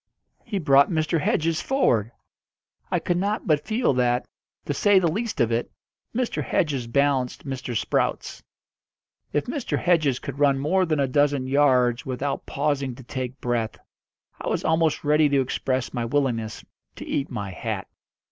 He brought Mr. Hedges forward. I could not but feel that, to say the least of it, Mr. Hedges balanced Mr. Sprouts. If Mr. Hedges could run more than a dozen yards without pausing to take breath, I was almost ready to express my willingness to eat my hat.